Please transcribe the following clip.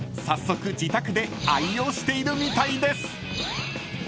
早速自宅で愛用しているみたいです］